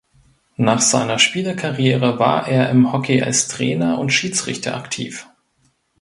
Nach seiner Spielerkarriere war er im Hockey als Trainer und Schiedsrichter aktiv.